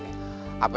kita harus berhati hati